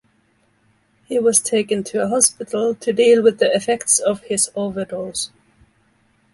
He was taken to a hospital to deal with the effects of his overdose.